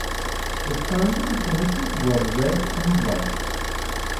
The standard finishes were red and white.